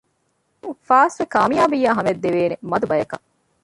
އެއިން ފާސްވެ ކާމިޔާބާ ހަމައަށް ދެވެނީ މަދުބަޔަކަށް